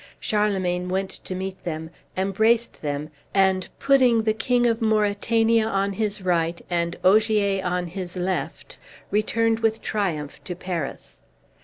Charlemagne went to meet them, embraced them, and putting the King of Mauritania on his right and Ogier on his left, returned with triumph to Paris.